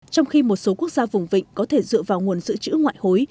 trong khi một số quốc gia vùng vịnh có thể dựa vào nguồn dự trữ ngoại hối